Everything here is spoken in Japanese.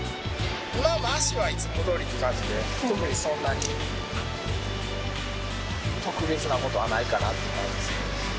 まぁまぁ足はいつもどおりの感じで特にそんなに特別なことはないかなって感じです